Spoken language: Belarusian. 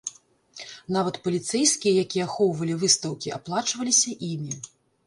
Нават паліцэйскія, якія ахоўвалі выстаўкі, аплачваліся імі.